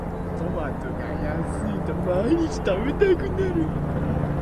トマトが安いと毎日食べたくなる